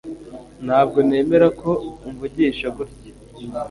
Ntabwo nemera ko umvugisha gutya